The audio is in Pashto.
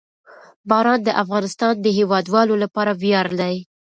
باران د افغانستان د هیوادوالو لپاره ویاړ دی.